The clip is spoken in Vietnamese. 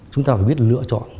chúng ta phải biết lựa chọn